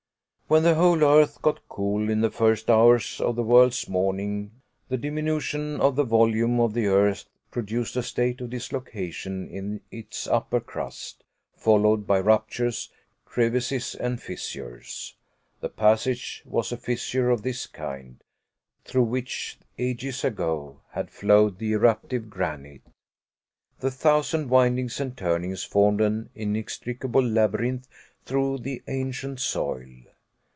When the whole earth got cool in the first hours of the world's morning, the diminution of the volume of the earth produced a state of dislocation in its upper crust, followed by ruptures, crevasses and fissures. The passage was a fissure of this kind, through which, ages ago, had flowed the eruptive granite. The thousand windings and turnings formed an inextricable labyrinth through the ancient soil.